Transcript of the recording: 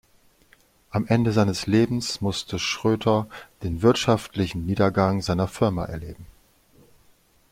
Am Ende seines Lebens musste Schröter den wirtschaftlichen Niedergang seiner Firma erleben.